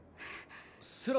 セラ